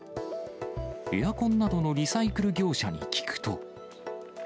エアコンなどのリサイクル業者に聞くと。